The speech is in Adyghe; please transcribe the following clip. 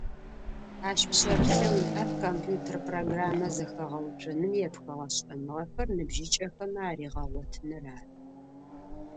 Ащ пшъэрылъэу иӏэр компьютер программэ зэхэгъэуцоным епхыгъэ шӏэныгъэхэр ныбжьыкӏэхэмэ аригъэгъотыныр ары.